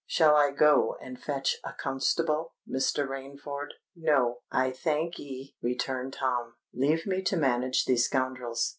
"Shall I go and fetch a constable, Mr. Rainford?" "No, I thank'ee," returned Tom: "leave me to manage these scoundrels.